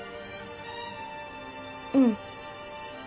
うん。